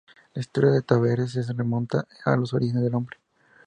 La historia de Tabernes se remonta a los orígenes del hombre.